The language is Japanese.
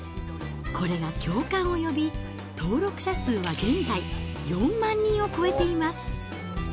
これが共感を呼び、登録者数は現在、４万人を超えています。